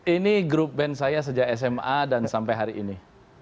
ini grup band saya sejak sma dan sampai hari ini